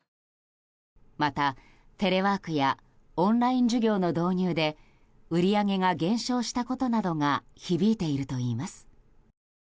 また、テレワークやオンライン授業の導入で売り上げが減少したことなどが響いているといいます。